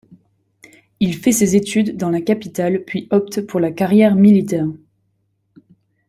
Il fait ses études dans la capitale puis opte pour la carrière militaire.